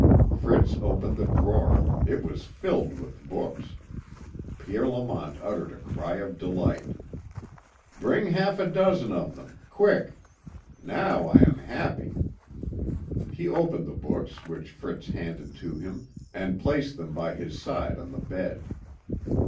Fritz opened the drawer; it was filled with books. Pierre Lamont uttered a cry of delight. "Bring half a dozen of them quick. Now I am happy." He opened the books which Fritz handed to him, and placed them by his side on the bed.